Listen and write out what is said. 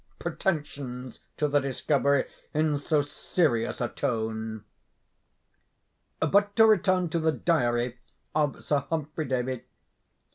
pretensions to the discovery, in so serious a tone. But to return to the 'Diary' of Sir Humphrey Davy.